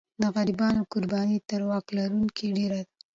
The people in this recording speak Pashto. د غریبانو قرباني تر واک لرونکو ډېره ده.